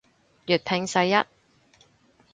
粵拼世一